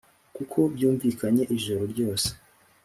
kuko byumvikanye ijoro ryose